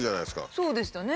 そうでしたね